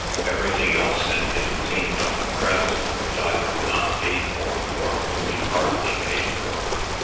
Everything else had been obtained on credit, and either not paid for, or only partly paid for.